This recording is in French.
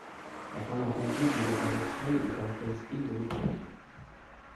La forme arrondie de la carrosserie est caractéristique de l'époque.